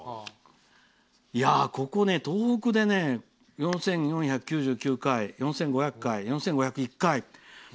いやあ、ここ東北で４４９９回、４５００回４５０１回。